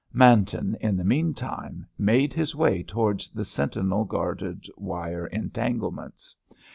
Manton, in the meantime, made his way towards the sentinel guarded wire entanglements.